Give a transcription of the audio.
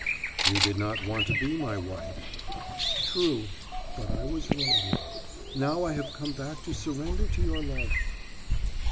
"You did not want to be my wife " "True, but I was wrong; now I have come back to surrender to your love."